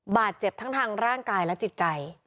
บาดเจ็บทั้งทางร่างกายและจิตใจ